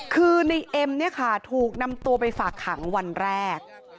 คือในเอ็มเนี่ยค่ะถูกนำตัวไปฝากขังวันแรก